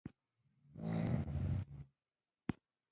موږ یوې لویې قلعې ته ننوتو.